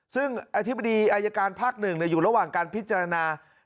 ซึ่งอธิบดีอายการภาค๑อยู่ระหว่างการพิจารณา